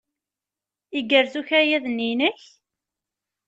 Igerrez ukayad-nni-inek?